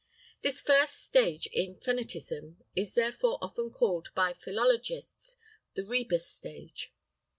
This first stage in phonetism is therefore often called by philologists the rebus stage.